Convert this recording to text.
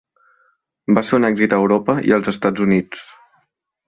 Va ser un èxit a Europa i als Estats Units.